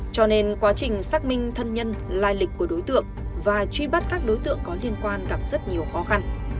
cho nên quá trình xác minh thân nhân lai lịch của đối tượng và truy bắt các đối tượng có liên quan gặp rất nhiều khó khăn